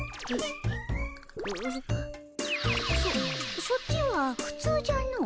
そそっちはふつうじゃのう。